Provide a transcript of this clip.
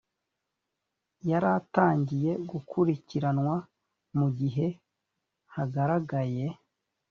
yaratangiye gukurikiranwa mu gihe hagaragaye